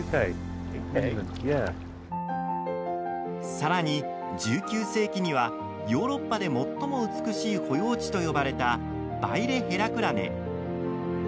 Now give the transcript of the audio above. さらに、１９世紀にはヨーロッパで最も美しい保養地と呼ばれたバイレ・ヘラクラネ。